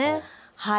はい。